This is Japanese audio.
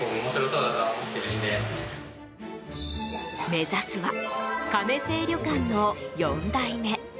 目指すは、亀清旅館の４代目。